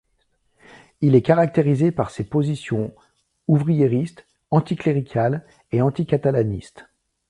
Il est caractérisé par ses positions ouvriéristes, anticléricales et anticatalanistes.